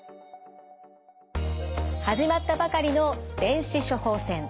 始まったばかりの電子処方箋。